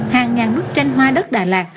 hàng ngàn bức tranh hoa đất đà lạt